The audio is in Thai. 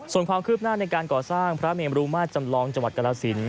ส่งความคืบหน้าในการก่อสร้างพระเมรุมาร์จำนวนจังหวัดกราศิลป์